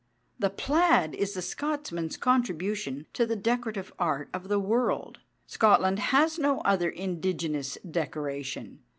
The plaid is the Scotchman's contribution to the decorative art of the world. Scotland has no other indigenous decoration.